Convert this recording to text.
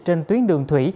trên tuyến đường thủy